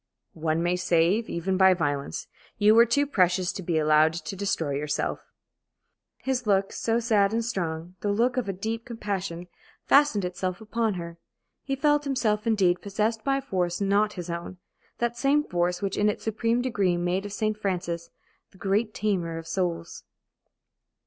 "One may save even by violence. You were too precious to be allowed to destroy yourself." His look, so sad and strong, the look of a deep compassion, fastened itself upon her. He felt himself, indeed, possessed by a force not his own, that same force which in its supreme degree made of St. Francis "the great tamer of souls."